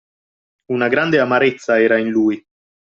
Una grande amarezza era in lui!